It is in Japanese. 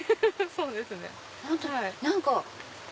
そうですね。